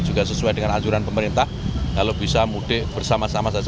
juga sesuai dengan anjuran pemerintah kalau bisa mudik bersama sama saja